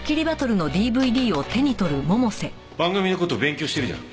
番組の事勉強してるじゃん。